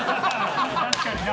確かに。